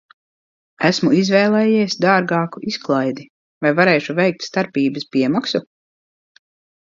Esmu izvēlējies dārgāku izklaidi, vai varēšu veikt starpības piemaksu?